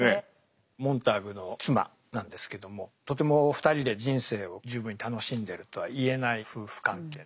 モンターグの妻なんですけどもとても２人で人生を十分に楽しんでるとは言えない夫婦関係。